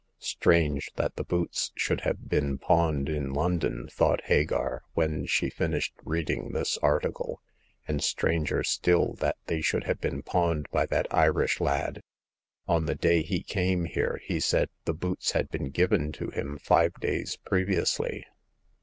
Strange that the boots should have been pawned in London/* thought Hagar, when she finished reading this article, and stranger still that they should have been pawned by that Irish lad ! On the day he came here, he said the boots had been given to him five days previ ously.